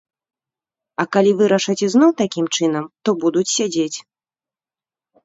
А калі вырашаць ізноў такім чынам, то будуць сядзець.